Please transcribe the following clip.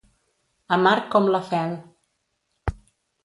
Amarg com la fel.